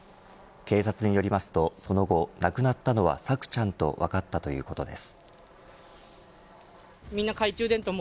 警察によりますと、その後亡くなったのは朔ちゃんとわかったということです。